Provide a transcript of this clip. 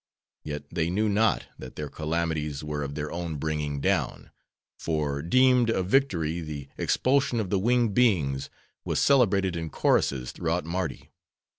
Yet they knew not, that their calamities were of their own bringing down. For deemed a victory, the expulsion of the winged beings was celebrated in choruses, throughout Mardi.